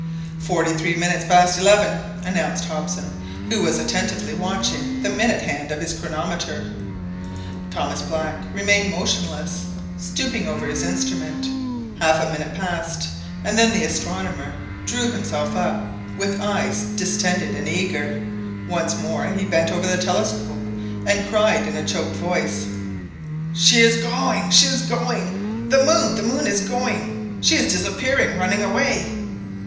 "Forty three minutes past eleven," announced Hobson, who was attentively watching the minute hand of his chronometer. Thomas Black remained motionless, stooping over his instrument. Half a minute passed, and then the astronomer [astonomer] drew himself up, with eyes distended and eager. Once more he bent over the telescope, and cried in a choked voice— "She is going! she is going! The moon, the moon is going! She is disappearing, running away